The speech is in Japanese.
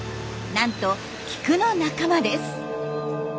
なんとキクの仲間です。